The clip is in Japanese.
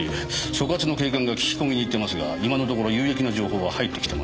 所轄の警官が聞き込みに行ってますが今のところ有益な情報は入ってきてませんね。